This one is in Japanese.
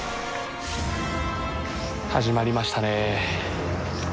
始まりましたね。